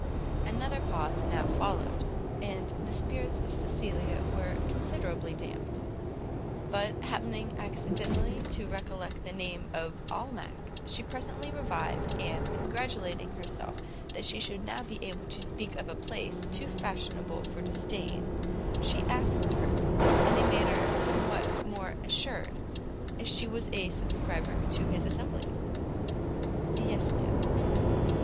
Another pause now followed, and the spirits of Cecilia were considerably dampt; but happening accidentally to recollect the name of Almack, she presently revived, and, congratulating herself that she should now be able to speak of a place too fashionable for disdain, she asked her, in a manner somewhat more assured, if she was a subscriber to his assemblies? "Yes, ma'am."